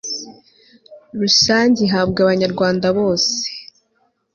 rusange ihabwa abanyarwanda bose